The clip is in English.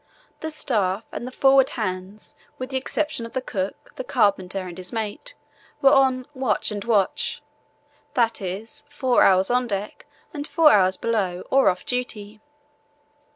The staff and the forward hands, with the exception of the cook, the carpenter and his mate, were on "watch and watch"—that is, four hours on deck and four hours below, or off duty.